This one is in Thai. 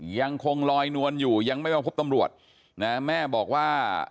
ยังคงลอยนวลอยู่ยังไม่มาพบตำรวจนะแม่บอกว่า